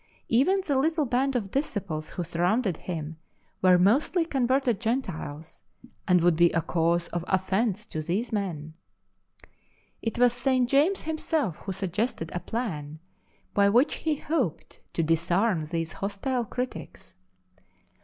Even the little band of disciples w'ho surrounded him were mostly converted Gentiles, and would be a cause of offence to these men. It was St. James himself who suggested a plan by wdiich he hoped to disarm these hostile critics.